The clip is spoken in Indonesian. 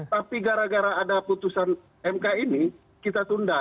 tapi gara gara ada putusan mk ini kita tunda